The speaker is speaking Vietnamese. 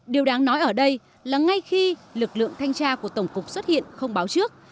điều đáng nói ở đây là ngay khi lực lượng thanh tra của tổng cục xuất hiện không báo trước